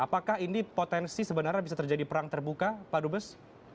apakah ini potensi sebenarnya bisa terjadi perang terbuka pak dubes